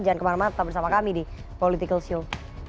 jangan kemana mana tetap bersama kami di political show